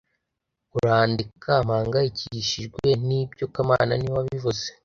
Urandeka mpangayikishijwe nibyo kamana niwe wabivuze